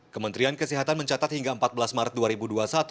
kementerian kesehatan mencatat hingga empat belas maret dua ribu dua puluh satu